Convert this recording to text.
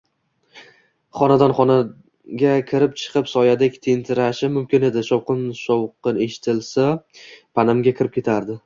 Xonadan xonaga kirib-chiqib soyadek tentirashim mumkin edi, shovqin-povqin eshitilsa, panamga kirib ketardim